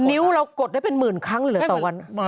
นิ้วเรากดได้เป็นหมื่นครั้งเหลือต่อวัน